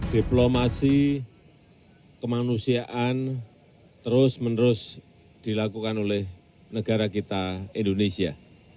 diplomasi kemanusiaan terus menerus dilakukan oleh negara kita indonesia